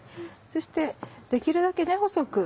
そしてできるだけ細く。